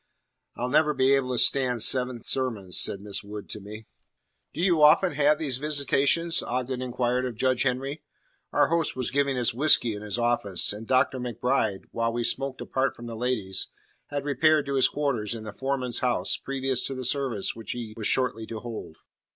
"I'll never be able to stand seven sermons," said Miss Wood to me. "Do you often have these visitations?" Ogden inquired of Judge Henry. Our host was giving us whisky in his office, and Dr. MacBride, while we smoked apart from the ladies, had repaired to his quarters in the foreman's house previous to the service which he was shortly to hold.